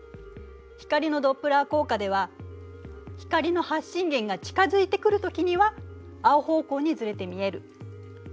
光のドップラー効果では光の発信源が近づいてくるときには青方向にずれて見える。